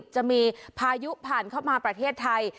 จะมีพายุผ่านเข้ามาประเทศไทย